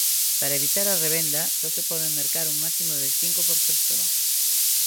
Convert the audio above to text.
Para evitar a revenda só se poden mercar un máximo de cinco por persoa.